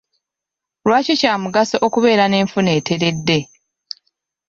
Lwaki kya mugaso okubeera n'enfuna eteredde?